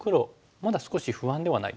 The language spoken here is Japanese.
まだ少し不安ではないですか？